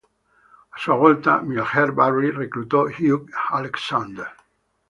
A sua volta Milner-Barry reclutò Hugh Alexander.